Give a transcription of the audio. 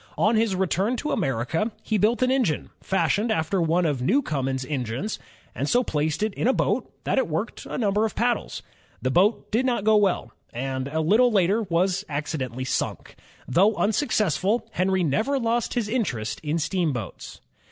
On his return to America, he built an engine fashioned after one of Newcomen's engines, and so placed it in a boat that it worked a number of paddles. The boat did not go well, and a little later was accidentally sunk. Though unsuccessful, Henry never lost his interest in steamboats.